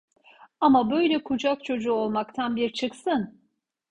Ama böyle kucak çocuğu olmaktan bir çıksın!